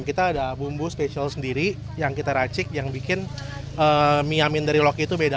kita ada bumbu spesial sendiri yang kita racik yang bikin mie amin dari loki itu beda